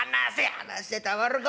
「離してたまるか。